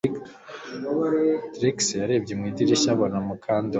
Trix yarebye mu idirishya abona Mukandoli